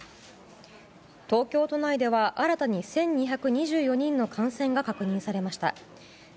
東京都内では新たに１２２４人の感染が確認されました。